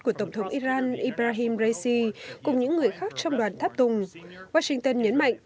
của tổng thống iran ibrahim raisi cùng những người khác trong đoàn tháp tùng washington nhấn mạnh